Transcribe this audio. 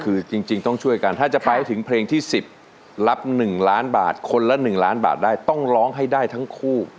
คือจริงต้องช่วยกันถ้าจะไปให้ถึงเพลงที่๑๐รับ๑ล้านบาทคนละ๑ล้านบาทได้ต้องร้องให้ได้ทั้งคู่